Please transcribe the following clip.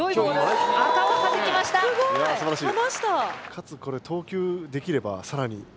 かつこれ投球できればさらに。